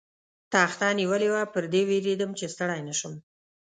تخته نیولې وه، پر دې وېرېدم، چې ستړی نه شم.